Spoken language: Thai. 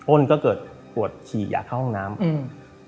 ้นก็เกิดปวดฉี่อย่าเข้าห้องน้ำอืม